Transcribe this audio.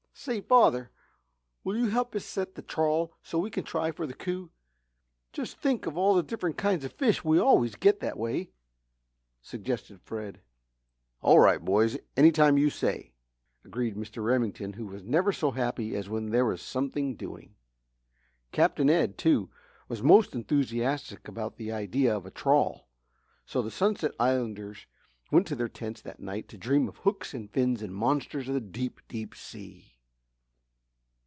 "Say, father, will you help us set the trawl so we can try for the coup? Just think of all the different kinds of fish we always get that way," suggested Fred. "All right, boys, any time you say," agreed Mr. Remington, who was never so happy as when there was something doing. Captain Ed, too, was most enthusiastic about the idea of a trawl, so the Sunset Islanders went to their tents that night to dream of hooks and fins and monsters of the deep, deep sea.